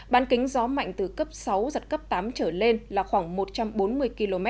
ban kính gió mạnh từ cấp sáu giật cấp tám trở lên là khoảng một trăm bốn mươi km